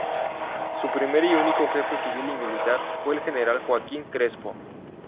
Su primer y único jefe civil y militar fue el General Joaquín Crespo.